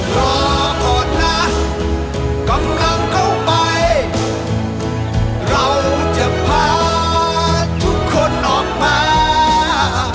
รอก่อนนะกำลังเข้าไปเราจะพาทุกคนออกมา